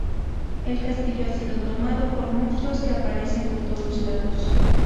El castillo ha sido tomado por monstruos que aparecen por todos lados.